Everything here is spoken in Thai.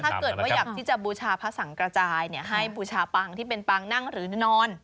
ถ้าเกิดว่าอยากที่จะบูชาพระสังกระจายให้บูชาปางที่เป็นปางนั่งหรือนอน